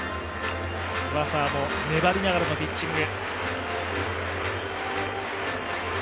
上沢も粘りながらのピッチング。